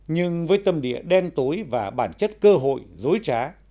nhưng với tâm địa đen tối và bản chất cơ hội dối trá